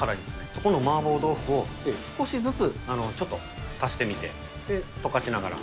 そこの麻婆豆腐を少しずつちょっと足してみて、溶かしながら。